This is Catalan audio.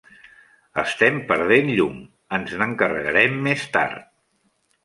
Estem perdent llum, ens n'encarregarem més tard.